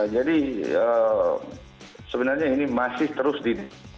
jadi sebenarnya ini masih terus di